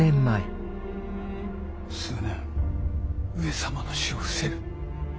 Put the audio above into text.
数年上様の死を伏せる。